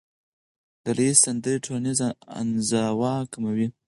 ډلهییزې سندرې ټولنیزه انزوا کموي.